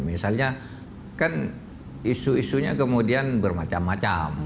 misalnya kan isu isunya kemudian bermacam macam